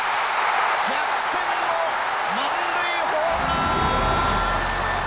逆転の満塁ホームラン！